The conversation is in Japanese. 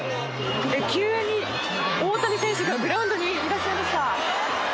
急に大谷選手がグラウンドにいらっしゃいました。